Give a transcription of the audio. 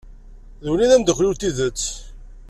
D win i d amdakel-iw n tidet.